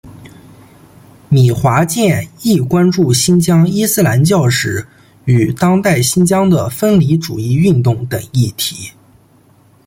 米华健亦关注新疆伊斯兰教史与当代新疆的分离主义运动等议题。